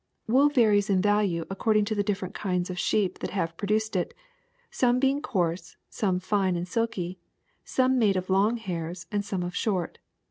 ^^Wool varies in value accordiii.o: to the different kinds of sheep that have pro duced it, some being coarse, some fine and silky, some made of long hairs, and some of short.